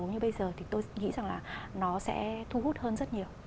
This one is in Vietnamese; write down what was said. như bây giờ thì tôi nghĩ rằng là nó sẽ thu hút hơn rất nhiều